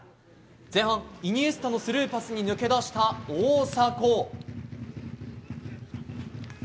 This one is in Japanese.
前半、イニエスタのスルーパスに抜け出した大迫。